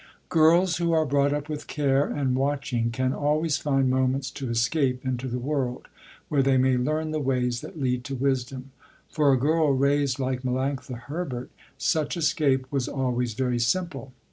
Girls who are brought up with care and watching can always find moments to escape into the world, where they may learn the ways that lead to wisdom. For a girl raised like Melanctha Herbert, such escape was always very simple.